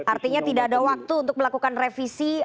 artinya tidak ada waktu untuk melakukan revisi